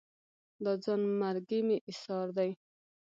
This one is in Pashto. دا ځان مرګي مې ایسار دي